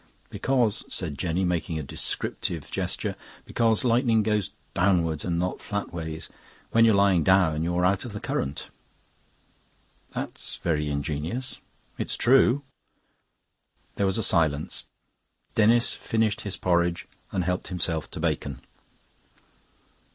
"Because," said Jenny, making a descriptive gesture, "because lightning goes downwards and not flat ways. When you're lying down you're out of the current." "That's very ingenious." "It's true." There was a silence. Denis finished his porridge and helped himself to bacon.